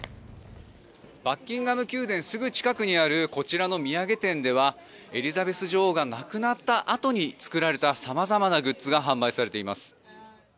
バッキンガム宮殿すぐ近くにあるこちらの土産店ではエリザベス女王が亡くなったあとに作られた様々なグッズが販売されています。